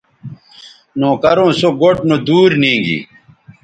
نوکروں سو گوٹھ نودور نیگی